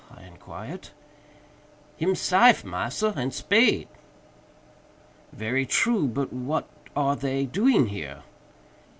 I inquired. "Him syfe, massa, and spade." "Very true; but what are they doing here?"